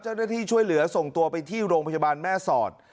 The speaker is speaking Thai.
เจ้าหน้าที่ช่วยเหลือส่งตัวไปที่โรงพยาบาลแม่สอด